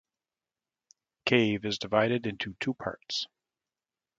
Cave is divided into two parts.